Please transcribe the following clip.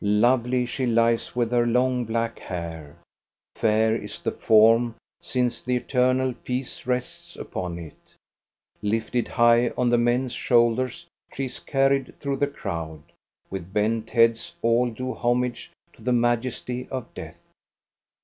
Lovely she lies, with her long, black hair. Fair is the form since the eternal peace rests upon it. 412 THE STORY OF GOSTA BERLING Lifted high on the men's shoulders, she is carried through the crowd. With bent heads all do homage to the majesty of death.